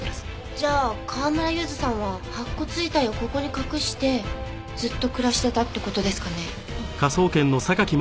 じゃあ川村ゆずさんは白骨遺体をここに隠してずっと暮らしてたって事ですかね？